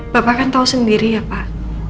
bapak kan tahu sendiri ya pak